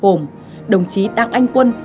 gồm đồng chí đăng anh quân